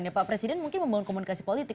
ya pak presiden mungkin membangun komunikasi politik